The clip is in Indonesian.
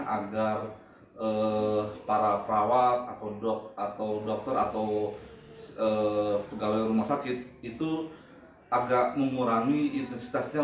agar para perawat atau dok atau dokter atau pegawai rumah sakit itu agak mengurangi intensitasnya